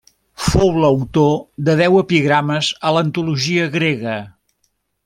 Fou l'autor de deu epigrames a l'antologia grega.